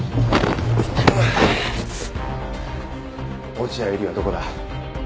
落合エリはどこだ？